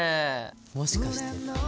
もしかして？